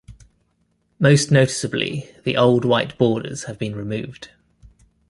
Most noticeably, the old white borders have been removed.